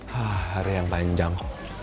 hari yang panjang